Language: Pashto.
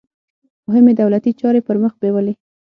مهمې دولتي چارې پرمخ بیولې.